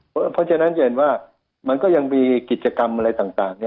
เพราะฉะนั้นเรียนว่ามันก็ยังมีกิจกรรมอะไรต่าง